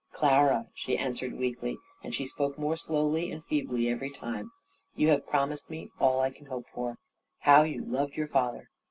"Clara," she answered weakly, and she spoke more slowly and feebly every time, "you have promised me all I can hope for. How you loved your father!